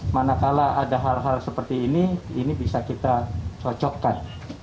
manakala ada hal hal seperti ini ini bisa kita cocokkan